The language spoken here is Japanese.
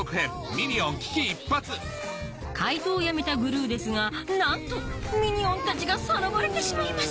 『ミニオン危機一発』怪盗をやめたグルーですがなんとミニオンたちがさらわれてしまいます